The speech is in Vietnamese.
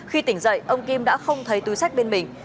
khi tỉnh dậy ông kim đã không thấy túi sách bên mình